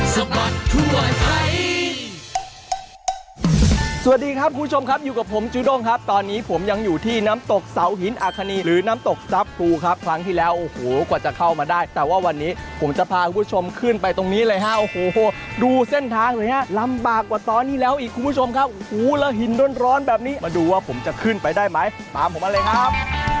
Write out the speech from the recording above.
สวัสดีครับคุณผู้ชมครับอยู่กับผมจูด้งครับตอนนี้ผมยังอยู่ที่น้ำตกเสาหินอคณีหรือน้ำตกทรัพย์ครูครับครั้งที่แล้วโอ้โหกว่าจะเข้ามาได้แต่ว่าวันนี้ผมจะพาคุณผู้ชมขึ้นไปตรงนี้เลยฮะโอ้โหดูเส้นทางหน่อยฮะลำบากกว่าตอนนี้แล้วอีกคุณผู้ชมครับหูแล้วหินร้อนแบบนี้มาดูว่าผมจะขึ้นไปได้ไหมตามผมมาเลยครับ